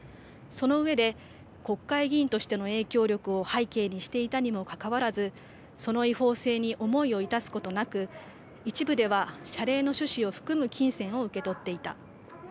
そのうえで国会議員としての影響力を背景にしていたにもかかわらずその違法性に思いを致すことなく一部では謝礼の趣旨を含む金銭を受け取っていた。